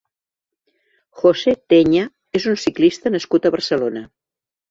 José Teña és un ciclista nascut a Barcelona.